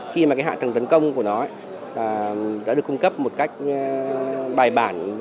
khi mà cái hạ tầng tấn công của nó đã được cung cấp một cách bài bản